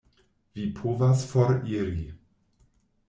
Vi povas foriri.